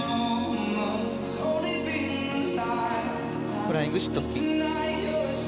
フライングシットスピン。